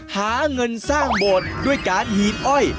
หาเงินสร้างโบสถ์ด้วยการหีบอ้อย